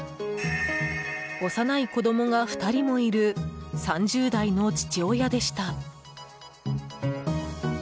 幼い子供が２人もいる３０代の父親でした。